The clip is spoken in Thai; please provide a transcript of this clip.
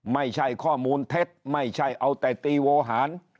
ไม่ใช่ข้อมูลเท็จไม่ใช่เอาแต่ตีโวหาร